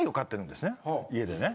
家でね。